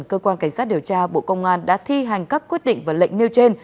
cơ quan cảnh sát điều tra bộ công an đã thi hành các quyết định và lệnh nêu trên